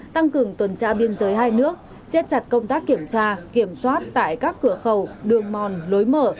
tăng cường tuần tra biên giới hai nước siết chặt công tác kiểm tra kiểm soát tại các cửa khẩu đường mòn lối mở